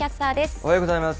おはようございます。